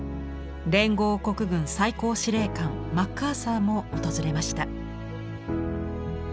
連合国軍最高司令官マッカーサーも訪れました。